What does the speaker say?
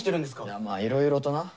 いやまあいろいろとな。